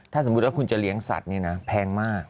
ถ้าสมมุติว่าคุณจะเลี้ยงสัตว์นี่นะแพงมาก